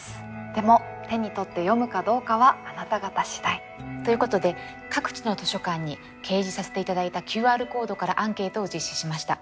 でも手に取って読むかどうかはあなた方次第。ということで各地の図書館に掲示させて頂いたＱＲコードからアンケートを実施しました。